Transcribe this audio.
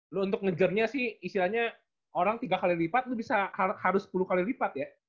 lu untuk mengejarnya sih istilahnya orang tiga kali lipat lu harus sepuluh kali lipat ya